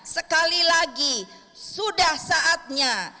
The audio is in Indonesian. sekali lagi sudah saatnya